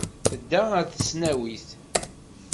Tedda ɣer tesnawit.